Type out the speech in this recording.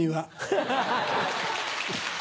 ハハハ！